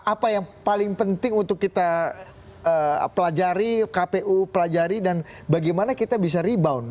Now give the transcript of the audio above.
apa yang paling penting untuk kita pelajari kpu pelajari dan bagaimana kita bisa rebound